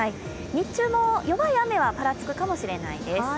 日中も弱い雨はぱらつくかもしれないです。